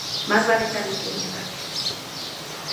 Más vale tarde que nunca.